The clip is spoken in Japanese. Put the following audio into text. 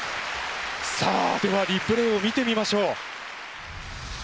さあではリプレイを見てみましょう。